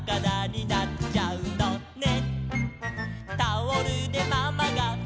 「くじらになっちゃうのね」